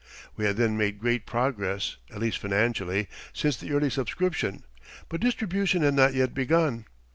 We had then made great progress, at least financially, since the early subscription. But distribution had not yet begun.